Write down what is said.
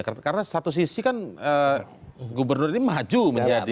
karena satu sisi kan gubernur ini maju menjadi